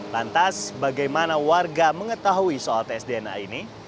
lantas bagaimana warga mengetahui soal tes dna ini